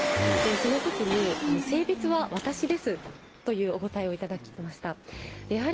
そのときに、性別は私ですというお答えをいただきました。